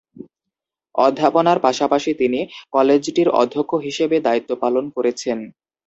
অধ্যাপনার পাশাপাশি তিনি কলেজটির অধ্যক্ষ হিসেবে দায়িত্ব পালন করেছেন।